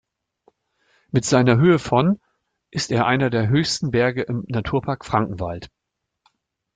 Mit seiner Höhe von ist er einer der höchsten Berge im Naturpark Frankenwald.